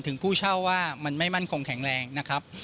ผู้เช่าว่ามันไม่มั่นคงแข็งแรงนะครับ